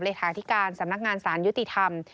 เลขาธิการสำนักงานสารยุติธรรม